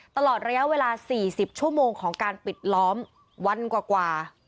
ตลอดระยะเวลา๔๐ชั่วโมงของการปิดล้อมวันกว่า